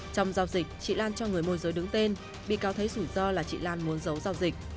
trong giao dịch trí lan cho người môi rối đứng tên bị cáo thấy rủi ro là trí lan muốn giấu giao dịch